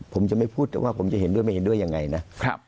ผมจะไม่พูดแต่ว่าผมจะเห็นด้วยไม่เห็นด้วยยังไงนะ